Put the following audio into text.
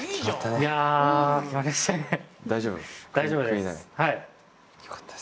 大丈夫？